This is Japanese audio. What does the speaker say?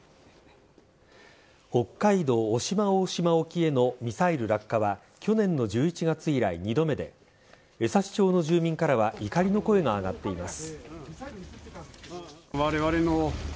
北海道渡島大島沖へのミサイル落下は去年の１１月以来２度目で江差町の住民からは怒りの声が上がっています。